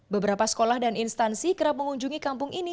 beberapa sekolah dan instansi kerap mengunjungi kampung ini